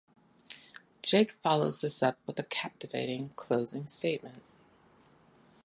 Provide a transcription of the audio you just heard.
Jake follows this up with a captivating closing statement.